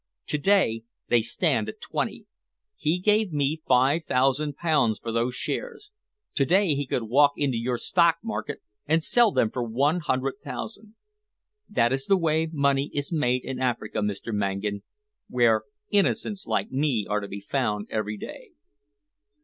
To day they stand at twenty. He gave me five thousand pounds for those shares. To day he could walk into your stock market and sell them for one hundred thousand. That is the way money is made in Africa, Mr. Mangan, where innocents like me are to be found every day."